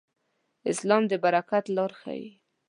اسلام د برکت لار ښيي.